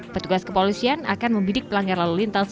petugas kepolisian akan membidik pelanggar lalu lintas